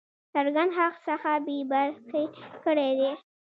څرګند حق څخه بې برخي کړی دی.